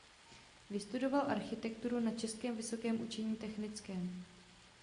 Vystudoval architekturu na Českém vysokém učení technickém.